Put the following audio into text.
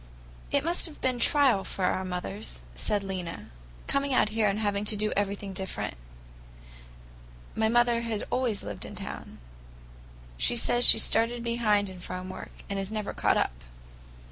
"It must have been a trial for our mothers," said Lena, "coming out here and having to do everything different. My mother had always lived in town. She says she started behind in farm work, and never has caught up."